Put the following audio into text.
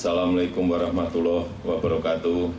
assalamualaikum warahmatullah wabarakatuh